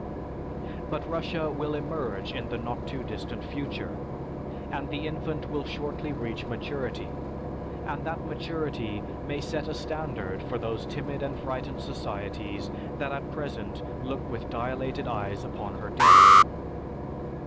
But Russia will emerge in the not too distant future, and the infant will shortly reach maturity; and that maturity may set a standard for those timid and frightened societies that at present look with dilated eyes upon her daring.